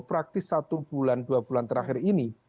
praktis satu bulan dua bulan terakhir ini